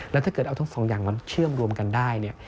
แล้วถ้าเกิดเอาทั้ง๒อย่างเชื่อมรวมกันได้